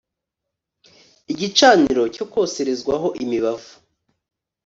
Igicaniro cyokoserezwaho imibavu